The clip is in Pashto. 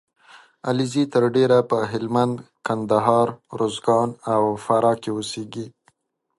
علیزي تر ډېره په هلمند ، کندهار . روزګان او فراه کې اوسېږي